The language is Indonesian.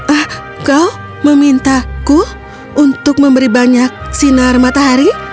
ah kau memintaku untuk memberi banyak sinar matahari